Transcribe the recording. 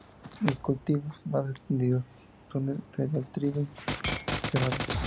Los cultivos más extendidos son de cereal: trigo y cebada.